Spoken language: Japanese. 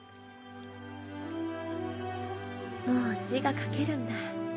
もう字が書けるんだ